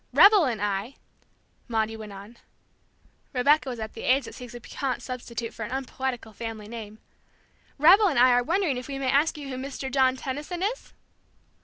"Rebel and I," Maudie went on, Rebecca was at the age that seeks a piquant substitute for an unpoetical family name, "Rebel and I are wondering if we may ask you who Mr. John Tenison is?"